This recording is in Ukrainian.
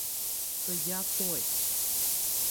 — То я той.